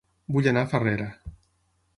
Vull anar a Farrera